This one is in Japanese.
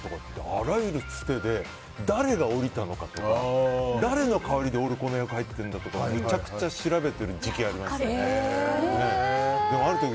あらゆるつてで誰が降りたのかとか誰の代わりで俺がこの役入っているのかとかめちゃくちゃ調べてる時期ありましたけどある時